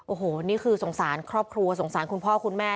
โอ้โหนี่คือสงสารครอบครัวสงสารคุณพ่อคุณแม่